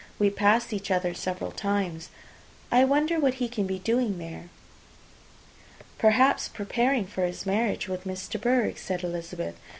We passed each other several times. I wonder what he can be doing there." "Perhaps preparing for his marriage with Miss de Bourgh," said Elizabeth.